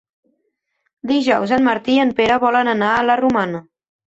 Dijous en Martí i en Pere volen anar a la Romana.